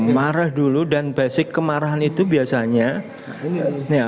marah dulu dan basic kemarahan itu biasanya